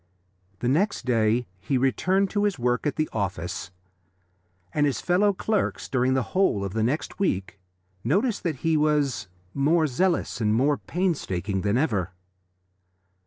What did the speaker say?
The next day he returned to his work at the office, and his fellow clerks, during the whole of the next week, noticed that he was more zealous and more painstaking than ever.